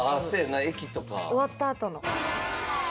終わったあとの。